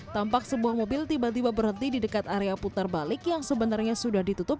tampak sebuah mobil tiba tiba berhenti di dekat area putar balik yang sebenarnya sudah ditutup